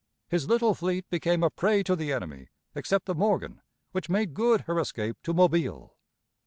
His little fleet became a prey to the enemy, except the Morgan, which made good her escape to Mobile.